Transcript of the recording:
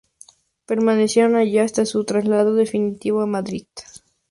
Permanecieron allí hasta su traslado definitivo a Madrid.